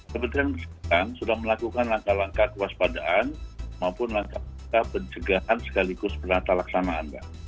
sebenarnya sudah melakukan langkah langkah kewaspadaan maupun langkah langkah pencegahan sekaligus perantara laksanaan